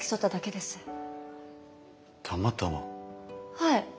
はい。